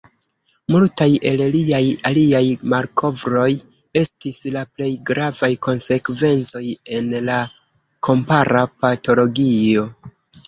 Multaj el liaj aliaj malkovroj estis la plej gravaj konsekvencoj en la kompara patologio.